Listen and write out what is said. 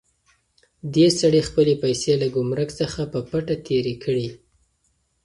دې سړي خپلې پیسې له ګمرک څخه په پټه تېرې کړې.